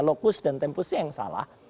lokus dan tempusnya yang salah